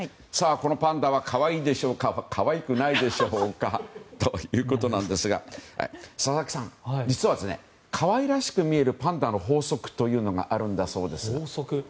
このパンダは可愛いでしょうか可愛くないでしょうかということなんですが佐々木さん、実は可愛らしく見えるパンダの法則というのがあるんだそうです。